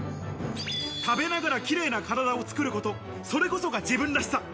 食べながら綺麗な体を作ること、それこそが自分らしさ。